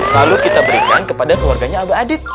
lalu kita berikan kepada keluarganya abah adit